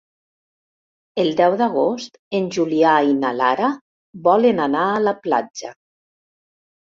El deu d'agost en Julià i na Lara volen anar a la platja.